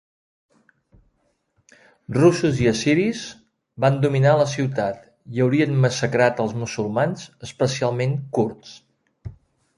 Russos i assiris van dominar la ciutat i haurien massacrat als musulmans especialment kurds.